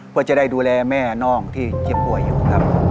เพื่อจะได้ดูแลแม่น้องที่เจ็บป่วยอยู่ครับ